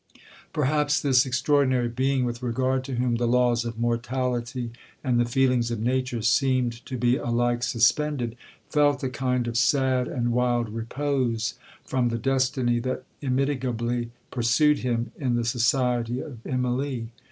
'Perhaps this extraordinary being, with regard to whom the laws of mortality and the feelings of nature seemed to be alike suspended, felt a kind of sad and wild repose from the destiny that immitigably pursued him, in the society of Immalee.